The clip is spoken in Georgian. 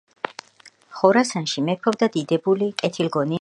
ხორასანში მეფობდა დიდებული, კეთილგონიერი, მეფე.